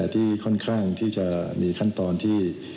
ที่ค่อนข้างที่จะมีขั้นตอนที่